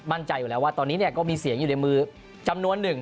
มั่นใจอยู่แล้วว่าตอนนี้เนี่ยก็มีเสียงอยู่ในมือจำนวนหนึ่ง